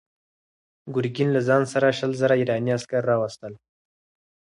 ګورګین له ځان سره شل زره ایراني عسکر راوستل.